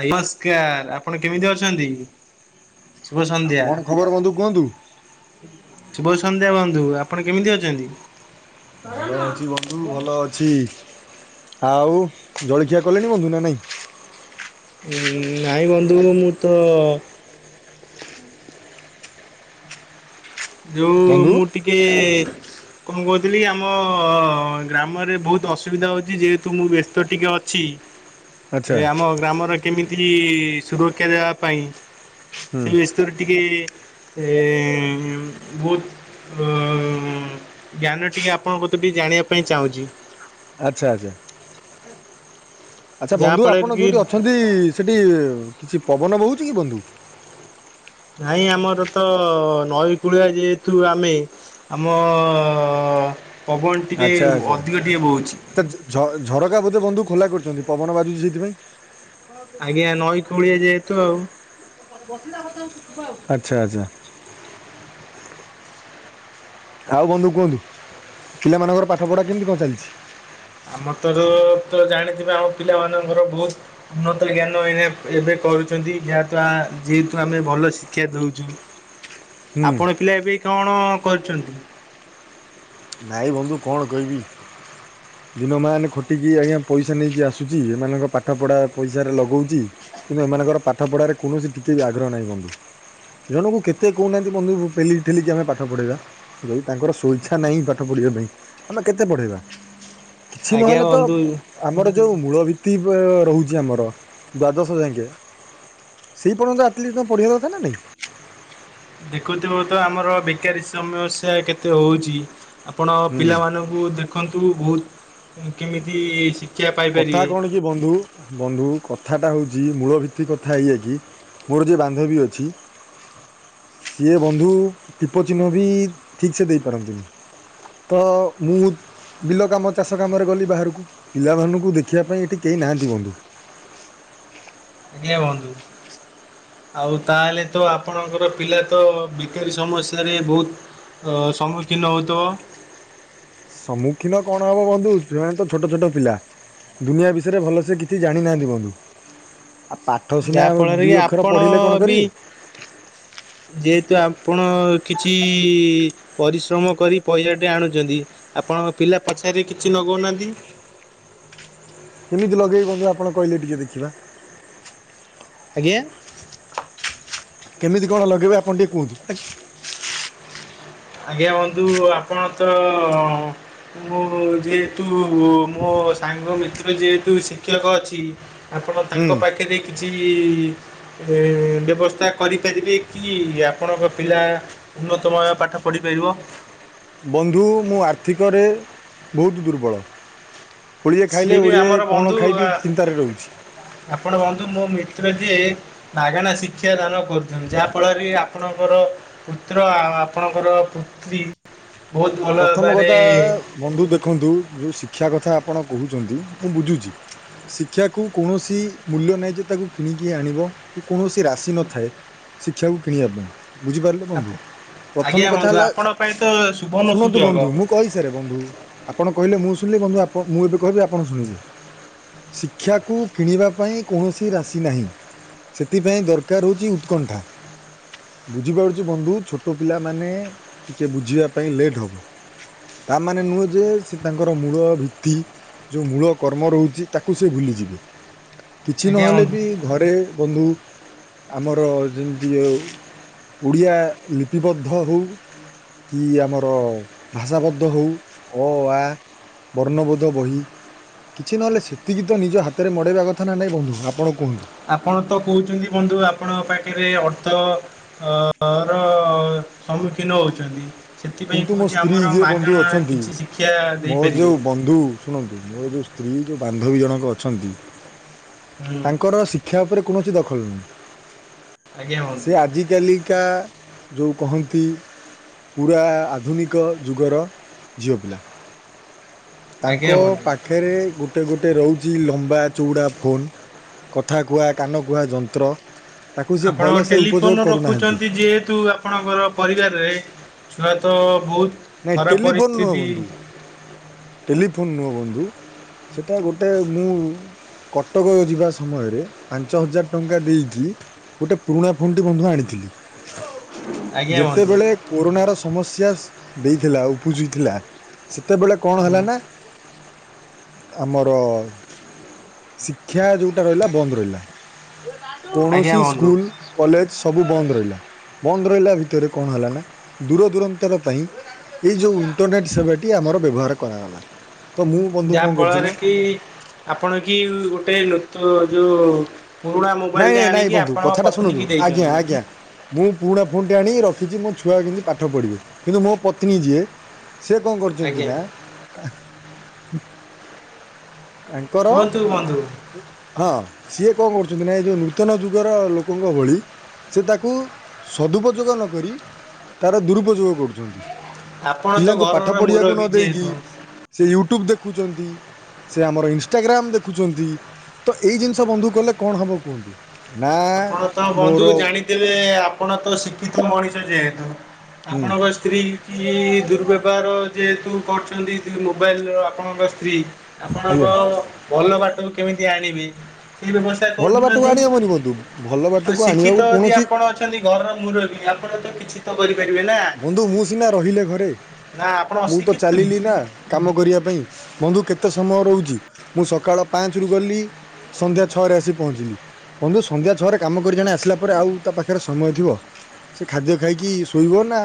ନମସ୍କାର ଆପଣ କେମିତି ଅଛନ୍ତି। ଶୁଭ ଆଉ ସନ୍ଧ୍ୟା କଣ ଖବର ବନ୍ଧୁ କୁହନ୍ତୁ। ଆଜ୍ଞା ବନ୍ଧୁ ଆପଣ କେମିତି ଅଛନ୍ତି। ଭଲ ଅଛି ବନ୍ଧୁ ଭଲ ଅଛି ଆଉ ଜଳଖିଆ କଲେଣି ବନ୍ଧୁ ନା ନାଇଁ? ନାଇଁ ବନ୍ଧୁ ମୁଁ ତ, ଯେଉଁ ବନ୍ଧୁ ମୁଁ ଟିକେଏ, କଣ କହୁଥିଲି ଆମ ଗ୍ରାମରେ ବହୁତ ଅସୁବିଧା ହେଉଛି ଯେହେତୁ ମୁଁ ବ୍ୟସ୍ତ ଟିକେ ଅଛି, ଏ ଆଚ୍ଛା ଆମ ଗ୍ରାମର କେମିତି, ସୁରକ୍ଷା ଦେବା ପାଇଁ ହୁଁ ସେ ବିଷୟ ରେ ଟିକେ ଏ ବହୁତ ଅ ଜ୍ଞାନ ଟିକେ ଆପଣଙ୍କ ତ ଟିକେ ଜାଣିବା ପାଇଁ ଚାହୁଁଛି। ଆଚ୍ଛା ଆଚ୍ଛା। ଆଚ୍ଛା ବନ୍ଧୁ ଯାହାଫଳରେ ଆପଣ ଯୋଉଠି କି ଅଛନ୍ତି ସେଠି କିଛି, ପବନ ବୋହୁଛି କି ବନ୍ଧୁ? ନାଇଁ ଆମର ତ ନଈ କୂଳିଆ ଯେହେତୁ ଆମେ ଆମ ପବନ ଟିକେ ଆଚ୍ଛା ଅଧିକ ଟିକେ ବହୁଛି। ଆଚ୍ଛାଝ ଝରକା ବୋଧେ ବନ୍ଧୁ ଖୋଲା କରୁ ପବନ ବାଜୁଛି ସେଥିପାଇଁ। ଆଜ୍ଞା ନଈ କୂଳିଆ ଯେହେତୁ ଆଉ ବସିଲା କଥା ହଉୁ ୁ ହଉଛୁ। ଆଚ୍ଛା ଆଚ୍ଛା। ଆଉ ବନ୍ଧୁ କୁହନ୍ତୁ ପିଲାମାନଙ୍କର ପାଠ ପଢ଼ା କେମିତି କଣ ଚାଲିଛି? ଆମ ତର ତ ଜାଣିଥିବା ଆମ ପିଲାମାନଙ୍କର ବହୁତ ଉନ୍ନତ ଜ୍ଞାନ ଏ ଏବେ କରୁଛନ୍ତି ଯାହାଦଵାର ଯେହେତୁ ଆମେ ଭଲ ଶିକ୍ଷା ଦେଉଛୁ। ହୁଁ ଆପଣ ପିଲା ଏବେ କ ଣ? କରିଛନ୍ତି। ନାଇଁ ବନ୍ଧୁ କଣ କହିବି ଦିନ ମ ଖଟିକି ଆଜ୍ଞା ପଇସା ନେଇକି ଆସୁଛି ଏମାନଙ୍କ ପାଠ ପଢା ପଇସାରେ ଲଗାଉଛି କିନ୍ତୁ ଏମାନଙ୍କର ପାଠ ପଢାରେ କୌଣସି ଟିକେ ବି ଆଗ୍ରହ ନାହିଁ ବନ୍ଧୁ ଜଣଙ୍କୁ କେତେ କହୁନାହାନ୍ତି ବନ୍ଧୁ ପେିକ ଠେଲିକି ଆମେ ପାଠ ପଢେଇବା ଯଦି ତାଙ୍କର ସ୍ଵଇଛା ପା ନାହିଁ ପାଠ ପଢ଼ିବା ପାଇଁ ଆମେ କେତେ ପଢ଼େଇବା କିଛି ଆଜ୍ଞା ନହେଲେ ତ ବନ୍ଧୁ ଆମର ଯୋଉ ମୂଳ ଭିତ୍ତି ରହୁଛି। ଦାଶ ଯଙ୍କ ସେ ପର୍ଯ୍ୟନ୍ତ ଆଟଲିଷ୍ଟ ଓଢିବା କଥା ନା ନାଇଁ? ଦେଖୁଥିବ ତ ଆମର ବେକାରୀ ସମସ୍ୟା କେତେ ହଉଛି? ଆପଣ ହୁଁ। ପିଲାମାନଙ୍କୁ ଦେଖ ଶିଖନ୍ତୁ ବହୁତ କେମିତି ଶିଖି, କଥା କଣ କି ବନ୍ଧୁ ବନ୍ଧୁ କଥାଟା ହଉଛି,। ଯି ମୂଳ ଭିତ୍ତି କଥା ଏଇଆ କି ମୋର ଯିଏ ବାନ୍ଧବୀ ଅଛି ସିଏ ବନ୍ଧୁ ଟିପ ଚିହ୍ନ ବି ଠିକ୍ସେ ଦେଇପାରନ୍ତିନି ତ ମୁଁ ବିଲ କାମ ଚାଷ କାମରେ ଗଲି ବାହାରକୁ ପିଲାମାନଙ୍କୁ, ଦେଖିବା ପାଇଁ ଏଠୀ କିଏ ନାହାନ୍ତି ବନ୍ଧୁ। ଆଜ୍ଞା ବନ୍ଧୁ ଆଉ ତାହେଲେ ତ ଆପଣଙ୍କର ପିଲା ତ ବେକାରୀ ସମସ୍ୟାରେ ବହୁତ ସମ୍ମୁଖୀନ ହେଉଥିବ? ସମ୍ମୁଖୀନ କ ଣ ହେବ ବନ୍ଧୁ ସେମାନେ ତ ଛୋଟ ଛୋଟ ପିଲା ଦୁନିଆ ବିଷୟରେ ଭଲସେ କିଛି ଜାଣିନାହାଁନ୍ତି ବନ୍ଧୁ। ଆଉ ପାଠ ସିନା ଯାହା ଫଳରେ କି ଦୁଇ ଅକ୍ଷର ଆପଣ ପଢ଼ିଲେ କଣ ବି କରିବେ? ଯେହେତୁ ଆପଣ, କିଛି ପରିଶ୍ରମ କରି ପଇସାଟେ ଆଣୁଛନ୍ତି ଆପଣଙ୍କ ପିଲା ପଛାର କିଛି ନଗଉନାହାଁନ୍ତି। କେମିତି ଲଗେଇବି ବନ୍ଧୁ ଆପଣ କହିଲେ ଟିକେ ଦେଖିବା? ଆଜ୍ଞା। କେମିତି କ ଣ ଲଗେଇବେ ଆପଣ ଟିକେ କୁହନ୍ତୁ ଆ୍ଞ? ଆଜ୍ଞା ବନ୍ଧୁ ଆପଣ ତ- ଅ -ମୁଁ, ଯେହେତୁ ତୁ, ମୋ ସାଙ୍ଗ ମିତ୍ର ଯେହେତୁ ସେ କେକ୍ ଅଛି। ଆପଣ ତାଙ୍କ ହୁଁ ପାଖରେ କିଛି କିଛି- ଇ ବେ ବ୍ୟବସ୍ଥା କରିପାରିବେ କି? ଆପଣଙ୍କ ପିଲା, ଉନ୍ନତମୟ ପାଠ ପଢ଼ ପଢ଼ୀ ପାରିବ। ବନ୍ଧୁ! ମୁଁ ଆର୍ଥିକରେ, ବହୁତ ଦୁର୍ବଳ। ଓଳିଏ ସିଏ ଖାଇଲେ, ବି ଓଳିଏ ଆମର କଣ ବନ୍ଧୁ ଖାଇବି ଚିନ୍ତାରେ ରହୁଛି। ଯେ, ମାଗଣା ଶିକ୍ଷା ଦାନ କରୁଛନ୍ତି, ଯାହା ଫଳରେ ଆ ଆପଣଙ୍କର ପୁତ୍ର, ଆ ଆପଣଙ୍କର ପୁତ୍ରୀ, ବହୁତ ଭଲ ପ୍ରଥମ କଥା ଆ, ଭାବରେ ବନ୍ଧୁ ଦେଖନ୍ତୁ, ଯୋଉଁ ଶିକ୍ଷା କଥା କଥା ଆପଣ କହୁଛନ୍ତି, ମୁଁ ବୁଝୁଛି। ଶିକ୍ଷାକୁ, କୌଣସି ଇ ମୂଲ୍ୟ ନାହିଁ ଯେ, ତାକୁ କିଣିକି ଆଣିବ, କି କୌଣସି ରାଶି ନଥାଏ, ଶିକ୍ଷାକୁ କିଣିବା ପାଇଁ। ବୁଝିପାରିଲେ ବନ୍ଧୁ ପ୍ରଥମ ଆଜ୍ଞା କଥା ହୁନ୍ତୁ, ହେଲା ଆପଣଙ୍କ ପାଇଁ ତ ଶୁଭ ଶୁଣନ୍ତୁ ବନ୍ଧୁ, ମୁଁ କହିସାରେ ବନ୍ଧୁ, ଆପଣ କହିଲେ ମୁଁ ଶୁଣିଲେ ବନ୍ଧୁ, ଆପ ମୁଁ ବି କହିବି, ଆପଣ ଶୁଣିବେ। ଶିକ୍ଷାକୁ, କିଣିବା ପାଇଁ, କୌଣସି, ରାଶି ନାହିଁ। ସେଥିପାଇଁ ଦରକାର ହେଉଛି, ଉତ୍କଣ୍ଠା। ବୁଝିପାରୁଛି ବନ୍ଧୁ, ଛୋଟ ପିଲାମାନେ, ଟିକେ ବୁଝିବା ପାଇଁ ଲେଟ୍ ହେବ। ତାମାନେ ନୁହେଁ ଯେ, ସେ ତାଙ୍କର ମୂଳ ଭିତ୍ତି, ଯେଉଁ ମୂଳ କର୍ମ ରହୁଛି ତାକୁ ସେ ଭୁଲିଯିବେ। କିଛି ଆଜ୍ଞା ନହେଲେ ବନ୍ଧୁ ବି, ଘରେ ବନ୍ଧୁ! ଆମର, ଯେମିତି ଆଉ ଓଡ଼ିଆ ଲିପିବଦ୍ଧ ହେଉ କି ଆମର, ଭାଷାବଦ୍ଧ ହେଉ, ଅ, ଆ, ବର୍ଣ୍ଣବୋଧ ବହି, କିଛି ନହେଲେ ସେତିକି ତ ନିଜ ହାତରେ ମଡ଼ାଇବା କଥା ନା ନାହିଁ ବନ୍ଧୁ, ଆପଣ କୁହନ୍ତୁ ଆପଣ ତ କହୁଛନ୍ତି ବନ୍ଧୁ, ଆପଣ ପା ଏ ଅର୍ଥ ଅ ର ସମ୍ମୁଖୀନ ହଉଛନ୍ତି। ସେଥିପାଇଁ କିନ୍ତୁ ମୋ କହୁଛି ସ୍ତ୍ରୀ ଆମର ଯିଏ ବନ୍ଧୁ ମାଗଣା ଅଛନ୍ତି, କିଛି ଶିକ୍ଷା ମୋର ଦେଇପାରିବେ ଯୋଉଁ ବନ୍ଧୁ ଶୁଣନ୍ତୁ, ମୋର ଯୋଉଁସ୍ତ୍ରୀ ଯୋଉଁ ବାନ୍ଧବୀ ଜଣକ ଅଛନ୍ତି। ହୁଁ ତାଙ୍କର ଶିକ୍ଷା ଉପରେ କୌଣସି ଦ ଫଲୁ। ଆଜ୍ଞା ସେ ବନ୍ଧୁ ଆଜିକାଲିକା, ଯେଉଁ କହନ୍ତି ପୁରା, ଆଧୁନିକ ଯୁଗର ଝିଅ ପିଲା। ଆଜ୍ଞା ତାଙ୍କ, ବନ୍ଧୁ ପାଖରେ, ଗୋଟେ ଗୋଟେ ଗ ରହୁଛି ଲମ୍ବା, ଚଉଡ଼ା, ଫୋନ୍, କଥା କୁହା, କାନ କୁହା, ଯନ୍ତ୍ର, ତାକୁ ସିଏ ଆପଣ ଭଲସେ ଉପଯୋଗ ଟେଲିଫୋନ କରୁନାହାନ୍ତି ରଖୁଛନ୍ତି ଯେହେତୁ, ଆପଣଙ୍କର ପରିବାରରେ, ଛୁଆ ତ ବହୁତ ନାଇଁ ଖରାପ ଟେଲିଫୋନ ନୁହଁ ପରିସ୍ଥିତି ବନ୍ଧୁ, ଟେଲିଫୋନ୍ ନୁହଁ ବନ୍ଧୁ, ସେଟା ଗୋଟେ, ମୁଁ, କଟକ ଯିବା ସମୟରେ, ପାଞ୍ଚ ହଜାର ଟଙ୍କା ଦେଇକି, ଗୋଟେ ପୁରୁଣା ଫୋନ୍ ଟି ବନ୍ଧୁ ଆଣିଥିଲି। ଆଜ୍ଞା ବନ୍ଧୁ ଯେତେବେଳେ କୋରୋନାର ସମସ୍ୟା! ଦେଇଥିଲା ଉପୁଜିଥିଲା ସେତେବେଳେ କଣ ହୁଁ ହେଲାଣି ନା ଆମର ଶିକ୍ଷା ଯୋଉଟାରହିଲା ବନ୍ଦ ରହିଲା। ଆଜ୍ଞା କୌଣସି ବନ୍ଧୁ ସ୍କୁଲ କଲେଜ ସବୁ ବନ୍ଦ ରହିଲା ବନ୍ଦରହିଲା ଭିତରେ କଣ ହେଲାନା ଦୂରଦୂରାନ୍ତର ପାଇଁ ଏଇ ଯେଉଁ ଇଣ୍ଟରନେଟ୍ ସେବାଟି ଆମର ବ୍ୟବହାର କରାଗଲା। ତ ମୁଁ ବନ୍ଧୁ ଯାହା କଣ କରୁଛି ନା ଫଳରେ କି ଆପଣ କି ଗୋଟେ ଲୋ ତ ଯୋଉ। ପୁରୁଣା ନାଇଁ ମୋବାଇଲଟେ ନାଇଁ ଆଣିକି ବନ୍ଧୁ ଆପଣଙ୍କ କଥାଟାଶୁଣନ୍ତୁ ପତ୍ନୀକି ଆଜ୍ଞା ଦେଇଛନ୍ତି। ଆଜ୍ଞା ମୁଁ ପୁରୁଣା ଫୋନଟେ ଆଣିକି ରଖ ରଖିଛି ମୋଛୁଆ କେମିତି ପାଠ ପଢ଼ିବେ କିନ୍ତୁ ମୋ ପତ୍ନୀ ଯିଏ। ସେ କଣ କରିଛନ୍ତି ଆଜ୍ଞା ନା [unintelligible] ତାଙ୍କର କୁହନ୍ତୁ ବନ୍ଧୁ ହଁ ସିଏ କଣ କରୁ। ଏ ଯେଉଁ ନୂତନ ଯୁଗର ଲୋକଙ୍କଭଳି ସେତାକୁ ସଦୁପଯୋଗ ନକରି ତାର ଦୁରୁପଯୋଗ କରୁଛନ୍ତି। ଆପଣ ତ ପିଲାଙ୍କୁ ଘରର ପାଠପଢିବାକୁ ମୁରବି ନଦେଇକି ଯେହେତୁ ସେ ୟୁଟ୍ୟୁବ ଦେଖ। ସେ ଆମର ଇନଷ୍ଟାଗ୍ରାମ ତ ଏଜିନିଷ ବନ୍ଧୁକଲେ। କଣ ହବ କୁହନ୍ତୁ। ଆପଣତ ମୋର ବନ୍ଧୁ ଜାଣିଥିବେ ଆପଣତ ଶିକ୍ଷିତ ମଣିଷ। ଯେହେତୁ! ହୁଁ ଆପଣଙ୍କ ସ୍ତ୍ରୀ କି ଦୁର୍ବ୍ୟବହାର ଯେହେତୁ! କରୁଛନ୍ତି ମୋବାଇଲର ଆପଣଙ୍କ ସ୍ତ୍ରୀ! ଆଜ୍ଞା ଆପଣଙ୍କ ଭଲ ବାଟକୁ କେମିତି ଆଣିବି! ଭଲ ବାଟକୁଆଣି ହବନି ବନ୍ଧୁ। ଭଲ ଆଉ ବାଟକୁ ଆଣିବାକୁ ଶିକ୍ଷିତ ଯଦି କୌଣସି ଆପଣ ଅଛନ୍ତି ଘରର ମୁରବି ଆପଣ! କିଛିତ କରି! ବନ୍ଧୁ ମୁଁସିନା ରହିଲେ ଘରେ ନା ଆପଣ ମୁଁ ତ ଅଶିକ୍ଷିତ କି? ଚାଲିଲିନା କାମ କରିବା ପାଇଁ। ବନ୍ଧୁ କେତେ ସମୟ ରହୁଛି ମୁଁ ସକାଳ ପାଞ୍ଚରୁ ଗଲି ସନ୍ଧ୍ୟା ଛଅରେ ଆସି ପହଞ୍ଚିଲି ବନ୍ଧୁ ସନ୍ଧ୍ୟାଛଅରେ କାମ କରିଜଣେ ଆସିଲାପରେ ଆଉ ତା ପାଖରେ ସମୟ ଥିବ ସେ ଖାଦ୍ୟ ଖାଇକି ଶୋଇବନି ନା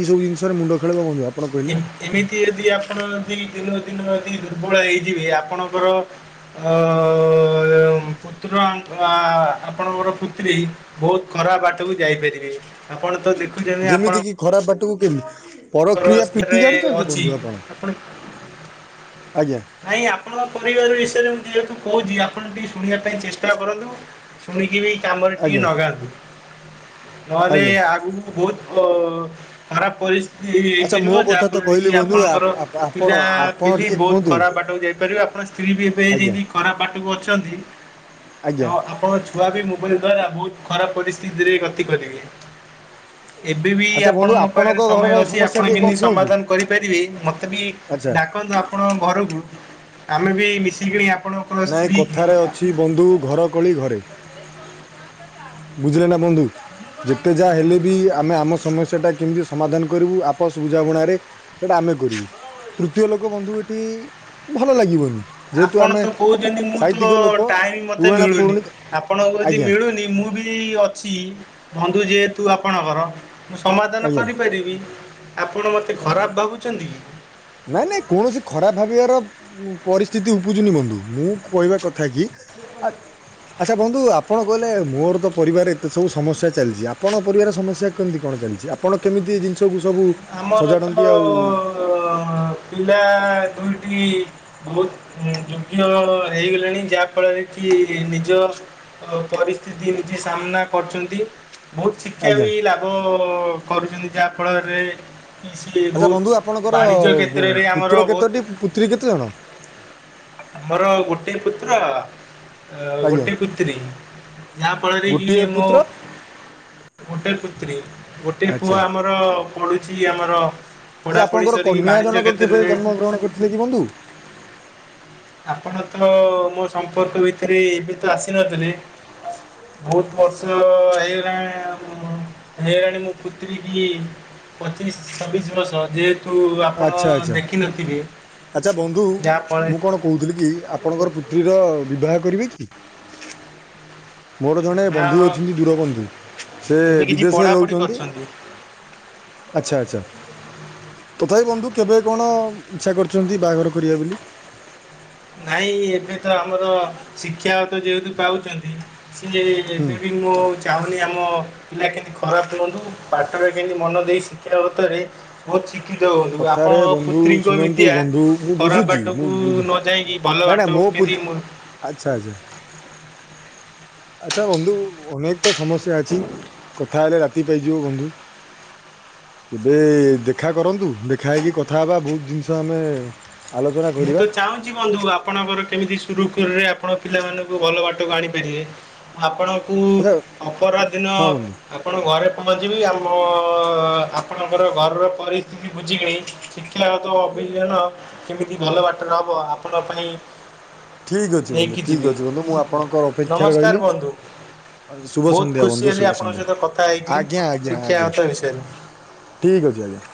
ଏଇସବୁ ଜିନିଷରେ ମୁଣ୍ଡ ଖେଳେଇବ। କହିଲେ ଏମି ଏମିତି ଯଦି ଆପଣ ବି ଦିନ ଦିନ ଯଦି ଦୁର୍ବଳ ହେଇଯିବେ ଆପଣଙ୍କର ଅ ଅ ଅ ଅ ପୁତ୍ର ଆ ଆପଣଙ୍କର ପୁତ୍ରୀ ବହୁତ ଖରାପ ବାଟକୁ ଯାଇପାରିବେ ଆପଣ ତ ଯେମିତି କି ଖରାବ ଟ କିମି ଆ ରାସ୍ତାରେ ଅଛି, ଆପଣ? ଆଜ୍ଞା ନାଇଁ ଆପଣଙ୍କ ପରିବାର ବିଷୟରେ ମୁ ଯେହେତୁ କହୁଛି ଆପଣ ଟିକେଏ ଶୁଣିବା ପାଇଁ ଚେଷ୍ଟା କରନ୍ତୁ, ଶୁଣିକି ବି କାମରେ ଟିକେ ଆଜ୍ଞା ଲଗାନ୍ତୁ। ହୁଁ। ନହେଲେ ଆଜ୍ଞା ଆଗକୁ ବହୁତ ଖରାପ ପରିସ୍ଥିତି ଆଚ୍ଛା ହେଇପାରିବ ମୋ ଯାହା କଥା ତ ଫଳରେ କି କହିଲି ବନ୍ଧୁ ଆପଣଙ୍କର ପିଲା ଆପଣ ଆପଣ ପିଲି ଟିକେ ବହୁତ କୁହନ୍ତୁ। ଖରାପ ବାଟକୁ ଯାଇପାରିବେ, ଆପଣ ସ୍ତ୍ରୀ ବି ଏବେ ଆଜ୍ଞା ଯେମତି ଖରାପ ବାଟକୁ ଅଛନ୍ତି। ଆଜ୍ଞା ଆଉ ଆପଣଙ୍କ ଛୁଆ ବି ମୋବାଇଲ ଦ୍ଵାରା ବହୁତ୍ ଖରାପ ପରିସ୍ଥିତିରେ ଗତି କରିବେ। ଏବେ ବି ଆଚ୍ଛା ବନ୍ଧୁ ଆପଣଙ୍କ ପାଖରେ ସମୟ ଘରର ଅଛି ସମସ୍ୟା ଆପଣ ଟିକେ କଣ କେମିତି କୁହନ୍ତୁ ସମାଧାନ କରିପାରିବେ। ମତେ ବି ଆଚ୍ଛା ଡାକନ୍ତୁ ଆପଣ ଆମେ ବି ଏଇ ମିଶିକି ନାଇଁ କଥାରେ ଅଛି ବନ୍ଧୁ ଘର କଳି ଘରେ। ବୁଝିଲେ ନା ବନ୍ଧୁ ଯେତେ ଯାହା ହେଲେ, ବି ଆମେ ଆମ ସମସ୍ୟାଟା କେମିତି ସମାଧାନ କରିବୁ ଆପସ ବୁଝାମୁଣାରେ ସେଟା ଆମେ କରିବୁ ତୃତୀୟ ଲୋକ ବନ୍ଧୁ ଏଠି ଭଲ ଲାଗିବନି। ଯେହେତୁ ଆପଣ ଆମେ ତ କହୁଛନ୍ତି ମୁଁ ତ ସାହିତ୍ୟିକ ଲୋକ ଟାଇମ ମତେ ପୁରୁଣା ମିଳୁନି, ପୁରୁଣି ଆପଣଙ୍କୁ ଯଦି ଆଜ୍ଞା ମିଳୁନି ମୁଁ ବି ଅଛି ବନ୍ଧୁ ଯେହେତୁ ଆପଣଙ୍କର ମୁଁ ସମାଧାନ ଆଜ୍ଞା କରିପାରିବି। ଆପଣ ମତେ ଖରାପ ଭାବୁଛନ୍ତି କି? ନାଇଁ ନାଇଁ କୌଣସି ଖରାପ ଭାବିବାର ପରିସ୍ଥିତି ଉପୁଜୁନି ବନ୍ଧୁ ମୁଁ କହିବା କଥା କି, ଆଚ୍ଛା ବନ୍ଧୁ ଆ ଆପଣ କହିଲେ ମୋର ତ ପରିବାର ଏତେ ସବୁ ସମସ୍ୟା ଚାଲିଛି ଆପଣଙ୍କ ପରିବାର ସମସ୍ୟା କେମିତି କଣ ଚାଲିଛି? ଆପଣ କେମିତି ଏ ଜିନିଷକୁ ସବୁ ଆମର ସଜାଡ଼ନ୍ତି ତ ଆଉ ପିଲା ଦୁଇଟି ବହୁତ ଯୋଗ୍ୟ ହେଇଗଲେଣି ଯାହା ଫଳରେ କି ନିଜ ପରିସ୍ଥିତି ନିଜେ ସାମ୍ନା କରୁଛନ୍ତି। ବହୁତ ଶିକ୍ଷା ଆଜ୍ଞା ବି ଲାଭ କରୁଛନ୍ତି ଯାହାଫଳରେ କି ସେ ଆଚ୍ଛା ବହୁତ ବନ୍ଧୁ ଆପଣଙ୍କର ବାଣିଜ୍ୟ କ୍ଷେତ୍ରରେ ଆମର ପୁତ୍ର ବହୁତ କେତୋଟି ପୁତ୍ରି କେତେଜଣ? ମୋର ଗୋଟେ ପୁତ୍ର। ଅ ଆଜ୍ଞା ଗୋଟେ ପୁତ୍ରି ଯାହା ଫଳରେ କି ଗୋଟିଏ ମୋ ପୁତ୍ର ଗୋଟେ ପୁତ୍ରି ଗୋଟେ ଆଚ୍ଛା ପୁଅ ଆମର ପଡୁ ସିଏ ଆମର। ଆଛା ପଢ଼ାପଢ଼ି ଆପଣଙ୍କର ସରିକି କନ୍ୟା ବାଣିଜ୍ୟ ଜଣକ କେବେ କ୍ଷେତ୍ରରେ ଜନ୍ମ ଗ୍ରହଣ କରିଥିଲେ କି ବନ୍ଧୁ? ଆପଣ ତ ମୋ ସମ୍ପର୍କ ଭିତରେ ଏବେ ତ ଆସି [unintelligible] ବହୁତ ବର୍ଷ ହେଇଗଲାଣି ହେଇଗଲାଣି ମୁଁ ପୁତ୍ରି କି ପଚିଶ ଛବିଶ ବର୍ଷ ଯେହେତ କୁ ଆପଣ ଆଚ୍ଛା ଆଚ୍ଛା ଦେଖିନଥିବେ? ଆଚ୍ଛା ବନ୍ଧୁ ଯାହାଫଳରେ ମୁଁ କଣ କହୁ କହୁଥିଲ କି ଆପଣଙ୍କର ପୁତ୍ରୀ ର ବିବାହ କରିବେ କି ମୋର ଜଣେ ବନ୍ଧୁ ଯାହା ଅଛନ୍ତି ଦୂରବନ୍ଧୁ ସେ ଏବେ କିଛି ବିଦେଶରେ ପଢ଼ାପଢ଼ି ରହୁଛନ୍ତି କରିଛନ୍ତି ଆଚ୍ଛା ଆଚ୍ଛା। ଦୟ ବନ୍ଧୁ କେବେ କଣ ଇଚ୍ଛା କରିୁଛନ୍ତି ବାହାଘର କରିବା ବୋଲି ନାଇଁ ଏବେ ତ ଆମର ଶିକ୍ଷା ତ ଯେହେତୁ ପାଉଛନ୍ତି। ସ ହୁଁ। ବିଭିନ [unintelligible] ଚାହୁଁନି ଆମ ପିଲା କେମିତି ଖରାପ ହୁଅନ୍ତୁ। ପାଠଟା କେମିତି ମନ ଦେଇ ଶିକ୍ଷା କତରେ ବହୁତ ଶିକ୍ଷ କଥାରେ ବନ୍ଧୁ ଶୁଣନ୍ତୁ ବନ୍ଧୁ ମୁଁ ଖରାପ ବୁଝୁଛି। ବାଟକୁ ନ ଯାଇକି ଭଲ ନାଇଁ ନାାଇଁ ବାଟକୁ ମୋ ପୁତ କେମିତି ଆଚଛା ଆଚଛା [unintelligible] ଆଚ୍ଛା ବନ୍ଧୁ ଅନେକ ତ ସମସ୍ୟା ଅଛି। କଥା ହେଲେ ରାତି ପାଇଯିବ ବନ୍ଧୁ। କେବେ ଦେଖା କରନ୍ତୁ। ଦେଖା ହେଇକି କଥା ହବା ବହୁତ ଜିନିଷ ଆମେ ଆଲୋଚନା ମୁଁ କରିବା ତ ଚାହୁଁଛି ବନ୍ଧୁ ଆପଣଙ୍କର କେମିତି ସୁରୁଖୁରୁରେ ଆପଣ ପିଲାମାନଙ୍କୁ ଭଲ ବାଟକୁ ଆଣିପାରିବେ। ଆପଣ କ ଆଚ୍ଛା ଅପରା ଦିନ ହଁ ବନ୍ଧୁ ଆପଣ ଘରେ [unintelligible] ମୁଁ ମଞ୍ଚିବି ଆମ ଆପଣଙ୍କର ଘରର ପରିସ୍ଥିତି ବୁଝିକ [unintelligible] କ ତ ଅପିିଲ ନା [unintelligible] କେମିତି ଭଲ ବାଟରେ ହବ ଆପଣଙ୍କ ପାଇଁ ଠିକ୍ ଅଛି। ବନ୍ଧୁ ନେଇକି ଠିକ ଯିବି ଅଛି। ବନ୍ଧୁ ମୁଁ ଆପଣଙ୍କର ଅପେକ୍ଷାରେ ନମସ୍କାର ରହିଲି। ବନ୍ଧୁ ଶୁଭ ବହୁତ ସନ୍ଧ୍ୟା ଖୁସି ବନ୍ଧୁ। ହେଲି ଶୁଭ ଆପଣଙ୍କ ସହିତ କଥା ସନ୍ଧ୍ୟା। ହେଇକି ଆଜ୍ଞା ଆ୍ଞା ଆଞା ଶିକ୍ଷାଗତ ବିଷୟରେ। ଠିକ ଅଛି ଆଜ୍ଞା।